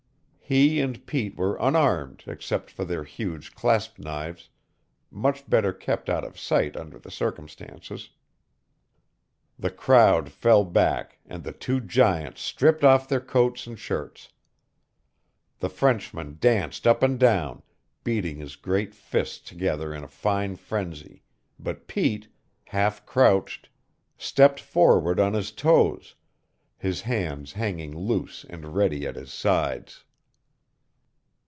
He and Pete were unarmed except for their huge clasp knives much better kept out of sight under the circumstances. The crowd fell back, and the two giants stripped off their coats and shirts. The Frenchman danced up and down, beating his great fists together in a fine frenzy, but Pete, half crouched, stepped forward on his toes, his hands hanging loose and ready at his sides.